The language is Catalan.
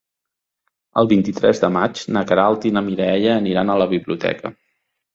El vint-i-tres de maig na Queralt i na Mireia aniran a la biblioteca.